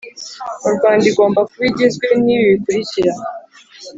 mu Rwanda igomba kuba igizwe n ibi bikurikira